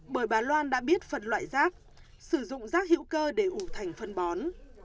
bởi bà loan đã biết phần loại rác sử dụng rác hữu cơ để ủ thành phân bón